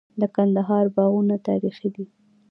د کندهار باغونه تاریخي دي.